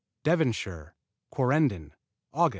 Devonshire Quarrenden Aug.